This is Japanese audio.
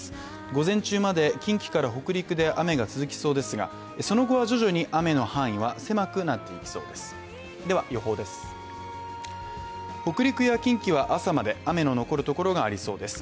午前中まで近畿から北陸で雨が続きそうですがその後は徐々に雨の範囲は狭くなっていきそうです。